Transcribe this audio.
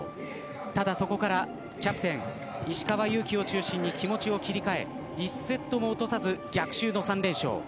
ただ、そこからキャプテン石川祐希を中心に気持ちを切り替え１セットも落とさず逆襲の３連勝。